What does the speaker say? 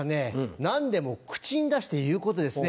何でも口に出して言うことですね。